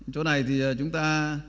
chỗ này thì chúng ta